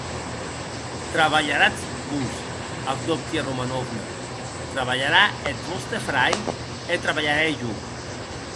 Trabalharatz vos, Avdotia Romanovna, trabalharà eth vòste frair e trabalharè jo.